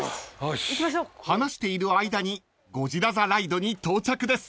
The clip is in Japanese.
［話している間にゴジラ・ザ・ライドに到着です］